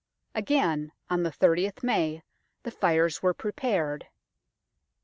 Again, on the 3oth May, the fires were prepared.